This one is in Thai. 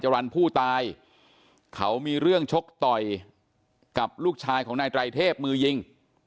รันผู้ตายเขามีเรื่องชกต่อยกับลูกชายของนายไตรเทพมือยิง